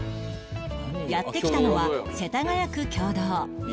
やって来たのは世田谷区経堂